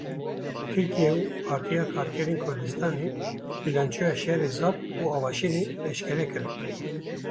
Tirkiye û Partiya Karkerên Kurdistanê bîlançoya şerê Zap û Avaşînê eşkere kirin.